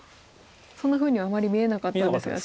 そんなふうにはあまり見えなかったんですが。